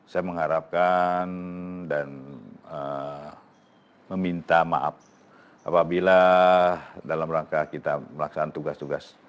saya mengharapkan dan meminta maaf apabila dalam rangka kita melaksanakan tugas tugas